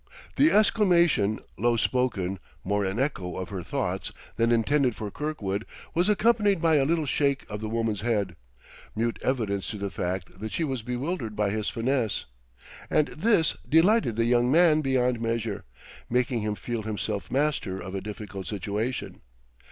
The exclamation, low spoken, more an echo of her thoughts than intended for Kirkwood, was accompanied by a little shake of the woman's head, mute evidence to the fact that she was bewildered by his finesse. And this delighted the young man beyond measure, making him feel himself master of a difficult situation.